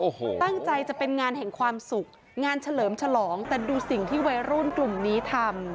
โอ้โหตั้งใจจะเป็นงานแห่งความสุขงานเฉลิมฉลองแต่ดูสิ่งที่วัยรุ่นกลุ่มนี้ทำ